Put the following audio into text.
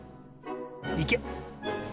いけ！